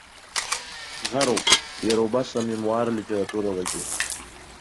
Ҳӷаруп, иара убас, амемуар литературалагьы.